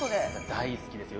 大好きですよ。